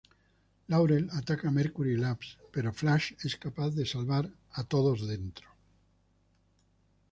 Laurel ataca Mercury Labs, pero Flash es capaz de salvar a todos dentro.